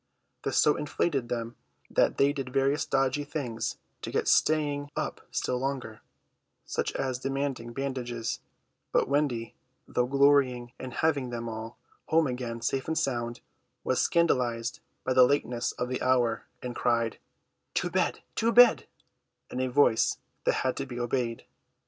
This so inflated them that they did various dodgy things to get staying up still longer, such as demanding bandages; but Wendy, though glorying in having them all home again safe and sound, was scandalised by the lateness of the hour, and cried, "To bed, to bed," in a voice that had to be obeyed.